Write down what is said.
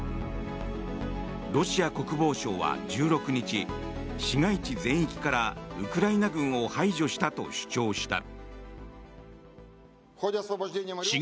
ロシア国防省は１６日市街地全域からウクライナ軍を排除したと主張した。